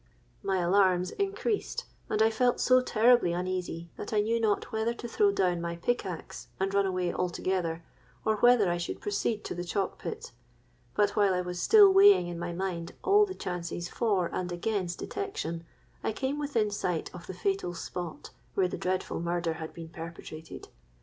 My alarms increased; and I felt so terribly uneasy, that I knew not whether to throw down my pickaxe and run away altogether, or whether I should proceed to the chalk pit. But while I was still weighing in my mind all the chances for and against detection, I came within sight of the fatal spot where the dreadful murder had been perpetrated.